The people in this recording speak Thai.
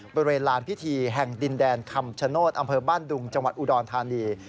บริเวณลานพิธีแห่งดินแดนคำชโนธอำเภอบ้านดุงจังหวัดอุดรธานี